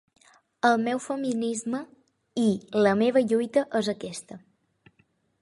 El meu feminisme i la meva lluita és aquesta.